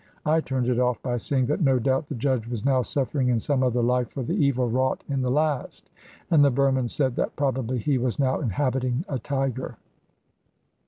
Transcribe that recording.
I turned it off by saying that no doubt the judge was now suffering in some other life for the evil wrought in the last, and the Burman said that probably he was now inhabiting a tiger.